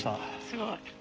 すごい。